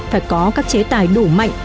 phải có các chế tài đủ mạnh